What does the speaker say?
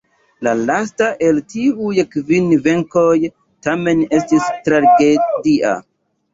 La lasta el tiuj kvin venkoj tamen estis tragedia.